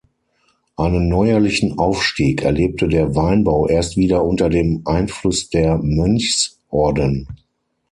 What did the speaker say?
Einen neuerlichen Aufstieg erlebte der Weinbau erst wieder unter dem Einfluss der Mönchsorden.